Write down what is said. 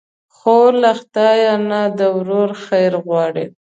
خور له خدای نه د ورور خیر غواړي.